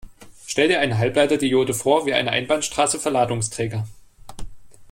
Stell dir eine Halbleiter-Diode vor wie eine Einbahnstraße für Ladungsträger.